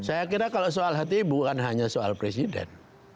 saya kira kalau soal hti bukan hanya soal presiden